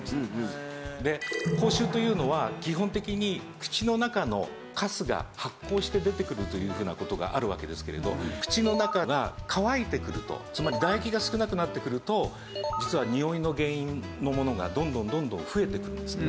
で口臭というのは基本的に口の中のカスが発酵して出てくるというふうな事があるわけですけれど口の中が乾いてくるとつまり唾液が少なくなってくると実はにおいの原因のものがどんどんどんどん増えていくんですね。